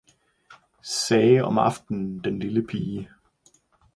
sagde om aftnen den lille pige.